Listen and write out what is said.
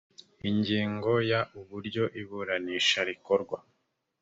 ingingo ya uburyo iburanisha rikorwa